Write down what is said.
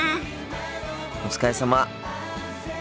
お疲れさま。